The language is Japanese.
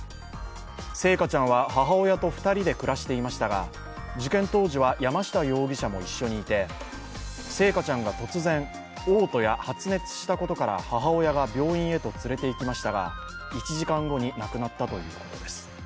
星華ちゃんは母親と２人で暮らしていましたが、事件当時は山下容疑者も一緒にいて星華ちゃんが突然嘔吐や発熱したことから母親が病院へ連れて行きましたが１時間後に亡くなったということです。